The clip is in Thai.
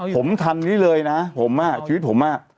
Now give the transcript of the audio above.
ผมทันนี้เลยนะผมอ่ะชีวิตผมอ่ะ